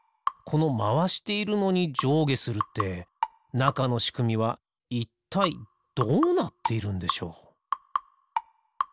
このまわしているのにじょうげするってなかのしくみはいったいどうなっているんでしょう？